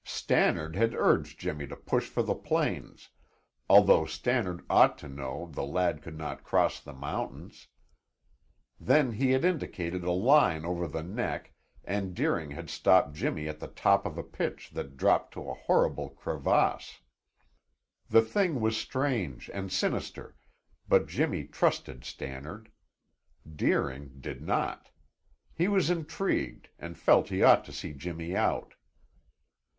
Stannard had urged Jimmy to push for the plains, although Stannard ought to know the lad could not cross the mountains. Then he had indicated a line over the neck and Deering had stopped Jimmy at the top of a pitch that dropped to a horrible crevasse. The thing was strange and sinister, but Jimmy trusted Stannard. Deering did not. He was intrigued, and felt he ought to see Jimmy out.